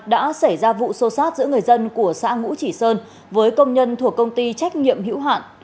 đã xảy ra vụ xô xát giữa người dân của xã ngũ chỉ sơn với công nhân thuộc công ty trách nhiệm hữu hạn